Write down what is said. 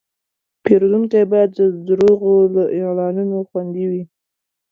پیرودونکی باید د دروغو له اعلانونو خوندي وي.